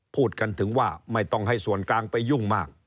พูดกันถึงว่าไม่ต้องให้ส่วนกลางไปยุ่งมาก